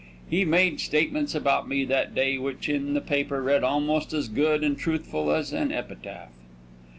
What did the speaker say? He made statements about me that day which in the paper read almost as good and truthful as an epitaph.